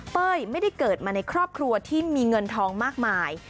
ไม่ได้เกิดมาในครอบครัวที่มีเงินทองมากมาย